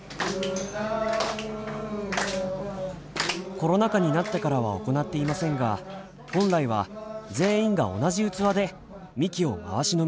コロナ禍になってからは行っていませんが本来は全員が同じ器でみきを回し飲みします。